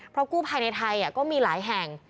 เพราะกู้ภัยในไทยก็มีหลายแห่ง